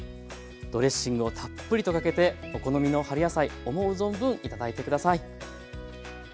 ドレッシングをたっぷりとかけてお好みの春野菜思う存分頂いて下さい。